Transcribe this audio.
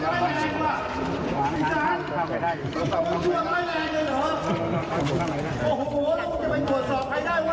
ฮ่าไข่ไทย